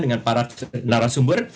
dengan para narasumber